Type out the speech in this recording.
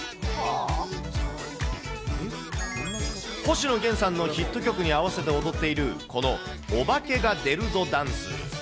星野源さんのヒット曲に合わせて踊っている、このおばけがでるぞダンス。